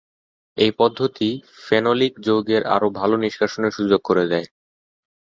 এই পদ্ধতি ফেনোলিক যৌগের আরও ভাল নিষ্কাশনের সুযোগ করে দেয়।